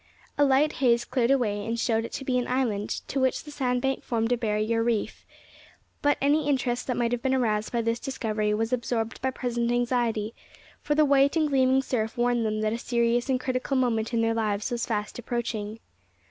A light haze cleared away and showed it to be an island, to which the sandbank formed a barrier reef; but any interest that might have been aroused by this discovery was absorbed by present anxiety, for the white and gleaming surf warned them that a serious and critical moment in their lives was fast approaching.